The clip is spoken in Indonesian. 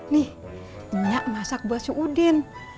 nih nyak masak buat si udin